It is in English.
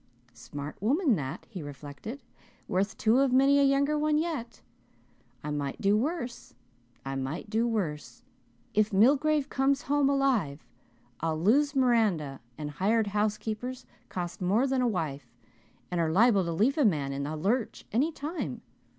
"Smart woman that," he reflected. "Worth two of many a younger one yet. I might do worse I might do worse. If Milgrave comes home alive I'll lose Miranda and hired housekeepers cost more than a wife and are liable to leave a man in the lurch any time.